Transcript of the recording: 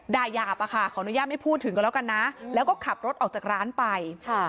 หยาบอะค่ะขออนุญาตไม่พูดถึงก็แล้วกันนะแล้วก็ขับรถออกจากร้านไปค่ะ